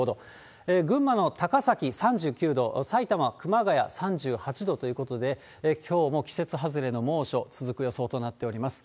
群馬の高崎３９度、埼玉・熊谷３８度ということで、きょうも季節外れの猛暑、続く予想となっております。